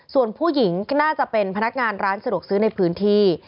ส่วนผู้หญิงน่าจะเป็นพนักงานร้านสะดวกซื้อในพื้นที่